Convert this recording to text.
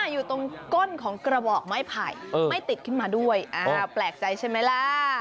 อยู่ตรงก้นของกระบอกไม้ไผ่ไม่ติดขึ้นมาด้วยอ้าวแปลกใจใช่ไหมล่ะ